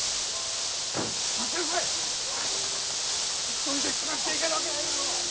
一人で暮らしていけるわけないだろう！